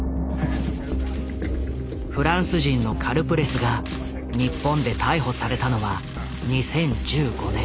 フランス人のカルプレスが日本で逮捕されたのは２０１５年。